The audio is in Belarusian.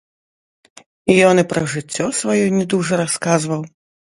Ён і пра жыццё сваё не дужа расказваў.